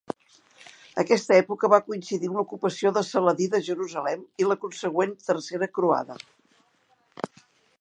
Aquesta època va coincidir amb l'ocupació de Saladí de Jerusalem i la consegüent tercera croada.